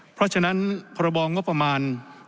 เพราะฉะนั้นพรบงบประมาณ